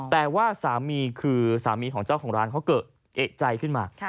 แต่ว่าสามีคือสามีของเจ้าของร้านเขาเกิดเอกใจขึ้นมา